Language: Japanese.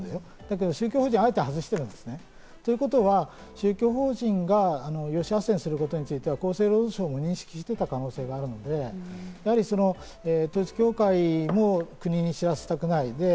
だけど宗教法人はあえて外してるということは宗教法人が養子あっせんするということは厚生労働省が認識していた可能性があるので、統一教会も国に知らせたくない。